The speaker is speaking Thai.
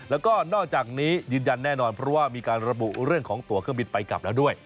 แล้วก็นอกจากนี้ยืนยันแน่นอนเพราะว่ามีการระบุเรื่องของตัวเครื่องบินไปกลับแล้วด้วย